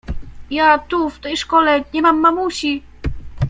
— Ja… tu… w tej szkole… nie mam mamusi…